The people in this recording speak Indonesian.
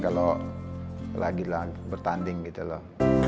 kalau lagi lagi bertanding gitu loh